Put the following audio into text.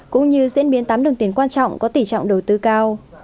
cũng như diễn biến tám đồng tiền quan trọng có tỷ trọng đầu tư cao